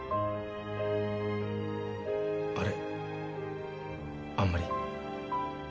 あれあんまり？